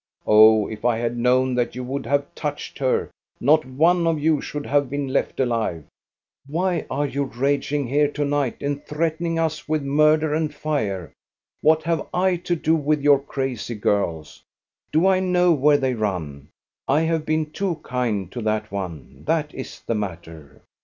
Oh, if I had known that you would have touched her, not one of you should have been left alive !" Why are you raging here to night and threaten ing us with murder and fire ? What have I to do with your crazy girls.? Do I know where they run.? I have been too kind to that one; that is the matter.